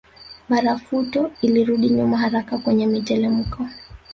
Barafuto ilirudi nyuma haraka kwenye mitelemko